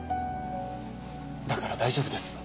だから大丈夫です。